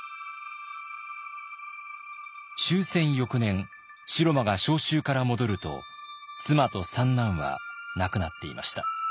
終戦翌年城間が召集から戻ると妻と三男は亡くなっていました。